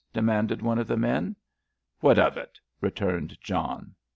demanded one of the men. "What of it?" returned John.